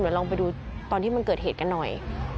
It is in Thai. เดี๋ยวลองไปดูตอนที่มันเกิดเหตุกันหน่อย